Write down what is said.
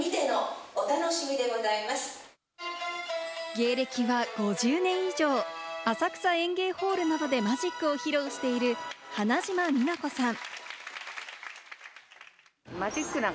芸歴は５０年以上、浅草演芸ホールなどでマジックを披露している花島皆子さん。